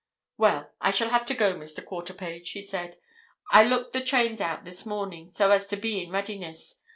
"Well, I shall have to go, Mr. Quarterpage," he said. "I looked the trains out this morning so as to be in readiness.